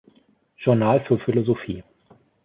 Journal für Philosophie".